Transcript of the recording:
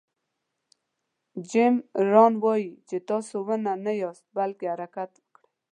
جیم ران وایي چې تاسو ونې نه یاست باید حرکت وکړئ.